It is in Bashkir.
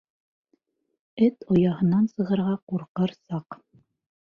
Эт ояһынан сығырға ҡурҡыр саҡ!